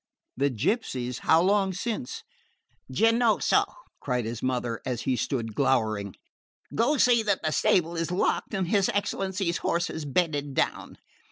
"The gypsies? How long since?" "Giannozzo," cried his mother, as he stood glowering, "go see that the stable is locked and his excellency's horses bedded down."